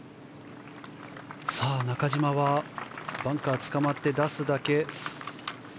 中島はバンカーつかまって出すだけ。